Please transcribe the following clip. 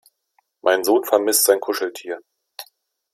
Mein Sohn vermisst sein Kuscheltier.